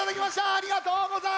ありがとうございます。